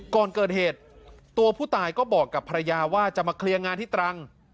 ก่อนเกิดเหตุตัวผู้ตายก็บอกกับภรรยาว่าจะมาเคลียร์งานที่ตรัง